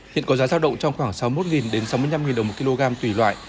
hiện có giá giao động trong khoảng sáu mươi một sáu mươi năm đồng một kg tùy loại